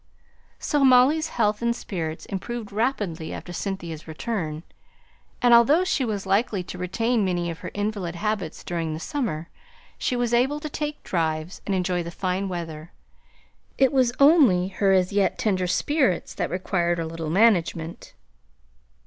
So Molly's health and spirits improved rapidly after Cynthia's return: and although she was likely to retain many of her invalid habits during the summer, she was able to take drives, and enjoy the fine weather; it was only her as yet tender spirits that required a little management.